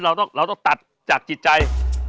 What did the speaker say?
เราต้องเราต้องตัดจากจิตใจ